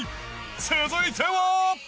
続いては。